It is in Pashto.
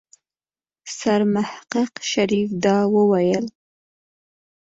سرمحقق شريف دا وويل.